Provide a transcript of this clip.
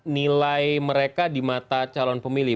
nilai mereka di mata calon pemilih